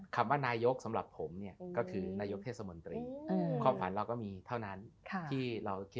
ธศมห่วงหมดตรีความฝันเราก็มีเท่านั้นแค่เขาคิด